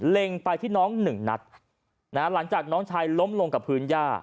ไปที่น้องหนึ่งนัดนะฮะหลังจากน้องชายล้มลงกับพื้นย่า